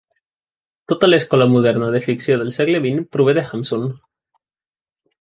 Tota l'escola moderna de ficció del segle XX prové de Hamsun.